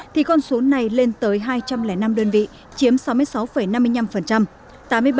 thì con số này lên tới hai trăm linh năm đơn vị chiếm sáu mươi sáu năm mươi năm